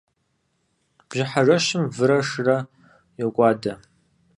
Бжьыхьэ жэщым вырэ шырэ йокӀуадэ.